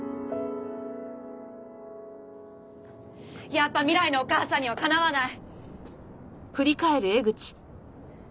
やっぱ未来のお母さんにはかなわない。